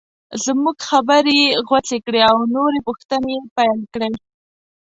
زموږ خبرې یې غوڅې کړې او نورې پوښتنې یې پیل کړې.